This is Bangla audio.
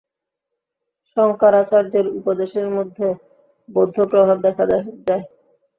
শঙ্করাচার্যের উপদেশের মধ্যে বৌদ্ধ প্রভাব দেখা যায়।